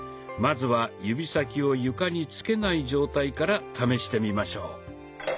まずは指先を床につけない状態から試してみましょう。